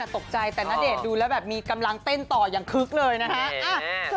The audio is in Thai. ตกใจแต่ณเดชน์ดูแล้วแบบมีกำลังเต้นต่ออย่างคึกเลยนะฮะ